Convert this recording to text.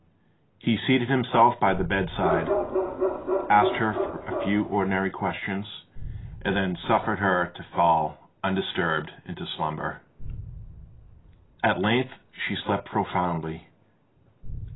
He seated himself by the bed side, asked her a few ordinary questions, and then suffered her to fall undisturbed into slumber. At length she slept profoundly.